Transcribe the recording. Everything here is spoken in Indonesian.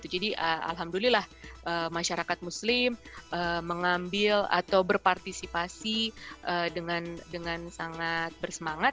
jadi alhamdulillah masyarakat muslim mengambil atau berpartisipasi dengan sangat bersemangat